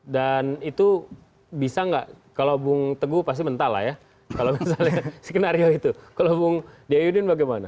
dan itu bisa nggak kalau bu teguh pasti mentah lah ya kalau misalnya skenario itu kalau bu deyudin bagaimana